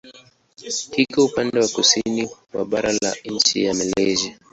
Kiko upande wa kusini wa bara la nchi ya Malaysia.